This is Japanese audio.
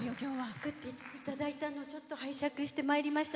作っていただいたのをちょっと拝借してまいりました。